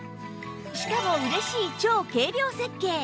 しかも嬉しい超軽量設計！